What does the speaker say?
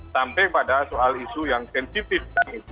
sampai pada soal isu yang sensitif